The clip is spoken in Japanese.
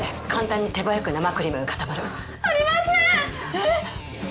えっ！？